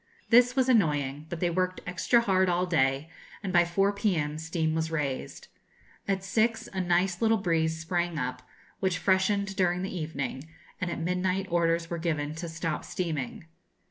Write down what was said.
This was annoying; but they worked extra hard all day, and by 4 p.m. steam was raised. At six a nice little breeze sprang up, which freshened during the evening, and at midnight orders were given to stop steaming.